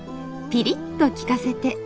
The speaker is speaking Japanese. ピリッと利かせて。